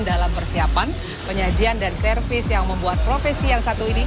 dalam persiapan penyajian dan servis yang membuat profesi yang satu ini